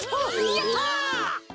やった！